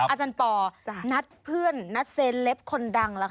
อาจารย์ป่าวนัดเพื่อนนัดเซเลบคนดังเหรอคะ